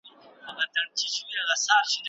وخت به ډېر ژر زموږ تر منځ واټنونه راکم کړي.